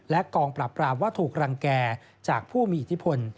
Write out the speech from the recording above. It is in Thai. และกองปราบปรามว่าถูกรังแก่จากผู้มีอิทธิพล